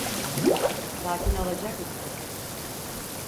Sakin olacak mısın?